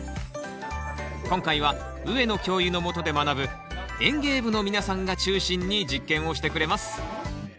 今回は上野教諭のもとで学ぶ園芸部の皆さんが中心に実験をしてくれます